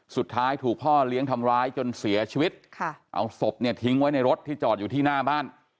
สุดท้ายถูกพ่อเลี้ยงทำร้ายจนเสียชีวิตค่ะเอาศพเนี่ยทิ้งไว้ในรถที่จอดอยู่ที่หน้าบ้าน